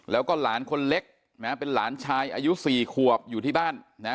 แล้วก็หลานคนเล็กนะฮะเป็นหลานชายอายุ๔ขวบอยู่ที่บ้านนะ